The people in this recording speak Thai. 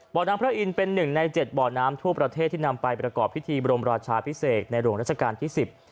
บ่อน้ำพระอินทร์เป็นหนึ่งในเจ็ดบ่อน้ำทั่วประเทศที่นำไปประกอบพิธีบรมราชาพิเศษในหลวงราชการที่สิบ